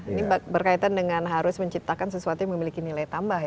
ini berkaitan dengan harus menciptakan sesuatu yang memiliki nilai tambah ya